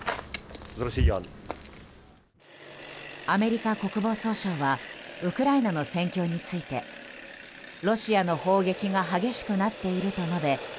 アメリカ国防総省はウクライナの戦況についてロシアの砲撃が激しくなっていると述べ